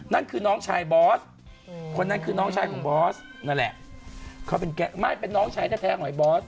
นั่นคือน้องชายบอสคนนั้นคือน้องชายของบอสนั่นแหละเขาเป็นแก๊ไม่เป็นน้องชายแท้ของบอส